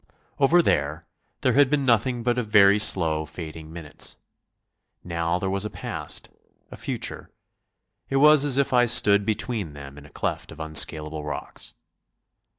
Over there, there had been nothing but very slow, fading minutes; now there was a past, a future. It was as if I stood between them in a cleft of unscalable rocks.